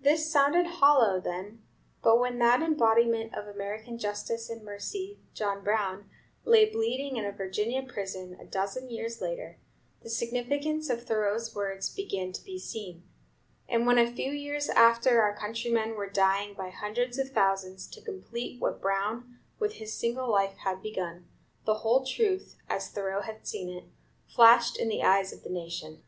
This sounded hollow then, but when that embodiment of American justice and mercy, John Brown, lay bleeding in a Virginia prison, a dozen years later, the significance of Thoreau's words began to be seen; and when a few years after our countrymen were dying by hundreds of thousands to complete what Brown, with his single life, had begun, the whole truth, as Thoreau had seen it, flashed in the eyes of the nation.